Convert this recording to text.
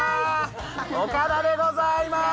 岡田でございます。